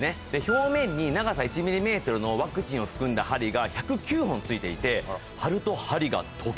表面に長さ１ｍｍのワクチンを含んだ針が１０９本付いていて。